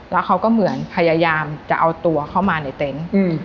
แล้วเขาก็เหมือนพยายามจะเอาตัวเข้ามาในเต็นต์